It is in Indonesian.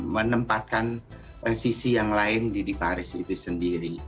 menempatkan sisi yang lain di di paris itu sendiri